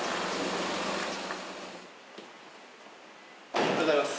おはようございます。